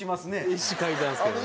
石描いたんですけどね。